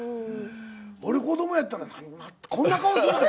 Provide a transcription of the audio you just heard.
俺子供やったらこんな顔するで。